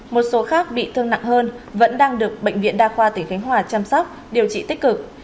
một số khác bị thương nặng hơn vẫn đang được bệnh viện đa khoa tỉnh khánh hòa chăm sóc điều trị tích cực